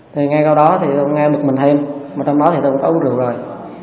thì ngay sau đó thì ông nghe bực mình thêm mà trong đó thì tôi cũng có uống rượu rồi